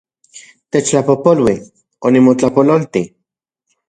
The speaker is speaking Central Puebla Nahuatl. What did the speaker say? Techtlapojpolui, onimotlapololti